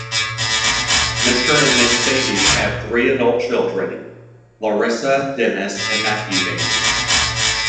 Mr and Mrs Beattie have three adult children, Larissa, Denis and Matthew Beattie.